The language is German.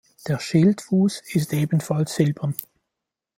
Der Schildfuß ist ebenfalls silbern.